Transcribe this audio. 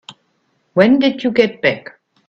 When did you get back?